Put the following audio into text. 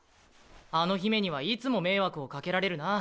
あの姫にはいつも迷惑をかけられるな。